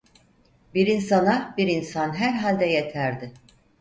Bir insana bir insan herhalde yeterdi.